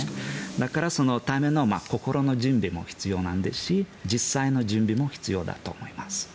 だからそのための心の準備も必要ですし実際の準備も必要だと思います。